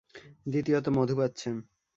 দ্বিতীয়ত, মধু পাচ্ছেন।